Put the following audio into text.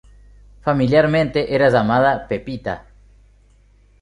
Familiarmente era llamada "Pepita".